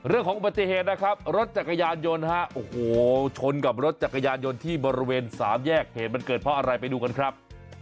เรื่องของอุบัติเหตุนะครับรถจักรยานยนต์ฮะโอ้โหชนกับรถจักรยานยนต์ที่บริเวณสามแยกเหตุมันเกิดเพราะอะไรไปดูกันครับ